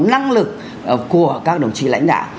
năng lực của các đồng chí lãnh đạo